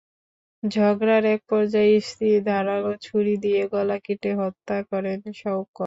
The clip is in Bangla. ঝগড়ার একপর্যায়ে স্ত্রীকে ধারালো ছুরি দিয়ে গলা কেটে হত্যা করেন শওকত।